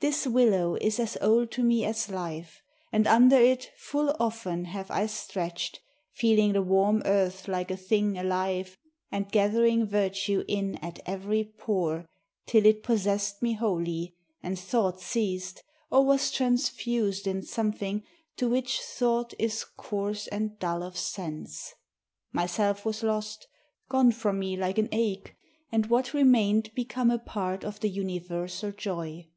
This willow is as old to me as life ; And under it full often have I stretched, Feeling the warm earth like a thing alive, And gathering virtue in at every pore Till it possessed me wholly, and thought ceased, Or was transfused in something to which thought Is coarse and dull of sense. Myself was lost, 18 UNDER THE WILLOWS. Gone from me like an ache, and what remained Become a part of the universal joy.